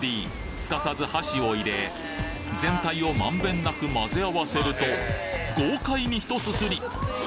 すかさず箸を入れ全体をまんべんなく混ぜ合わせると豪快にひとすすり！